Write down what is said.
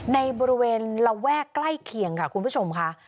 ในบริเวณระแวกใกล้เคียงค่ะคุณผู้ชมค่ะ